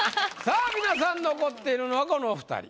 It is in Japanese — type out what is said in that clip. さあ皆さん残っているのはこのお二人。